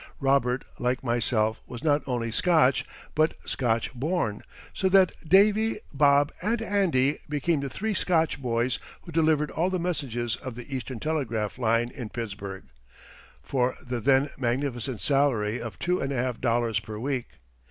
Robert, like myself, was not only Scotch, but Scotch born, so that "Davy," "Bob," and "Andy" became the three Scotch boys who delivered all the messages of the Eastern Telegraph Line in Pittsburgh, for the then magnificent salary of two and a half dollars per week.